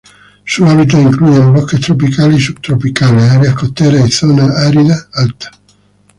Sus hábitats incluyen bosques tropicales y subtropicales, áreas costeras y zonas áridas altas.